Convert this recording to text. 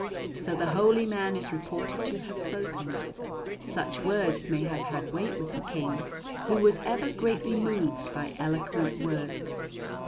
So the holy man is reported to have spoken. Such words may have had weight with the King, who was ever greatly moved by eloquent words.